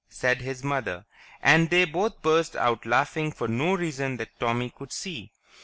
..." said his mother, and they both burst out laughing for no reason that Tommy could see.